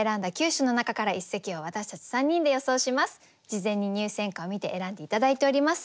事前に入選歌を見て選んで頂いております。